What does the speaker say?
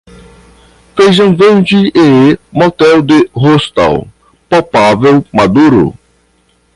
Feijão verde e motel de hostal, palpável maduro.